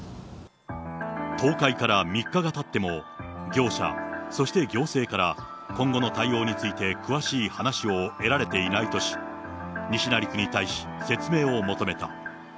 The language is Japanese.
倒壊から３日がたっても、業者、そして行政から今後の対応について、詳しい話を得られていないとし、西成区に対し説明を求めた。